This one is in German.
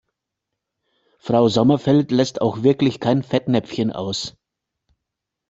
Frau Sommerfeld lässt auch wirklich kein Fettnäpfchen aus.